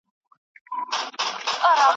رياضي په پښتو زده کړئ.